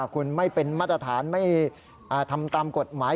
คุณไม่เป็นมาตรฐานไม่ทำตามกฎหมาย